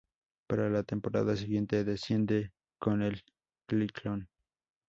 Para la temporada siguiente desciende con el Ciclón.